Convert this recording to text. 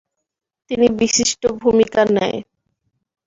তিনি বিশিষ্ট ভূমিকা নেয়।